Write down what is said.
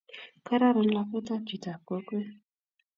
Kararan lakwetab chitap kokwet